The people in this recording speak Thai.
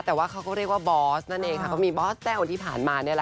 แต่ว่าเขาก็เรียกว่าบอสนั่นเองค่ะก็มีบอสแต้วที่ผ่านมา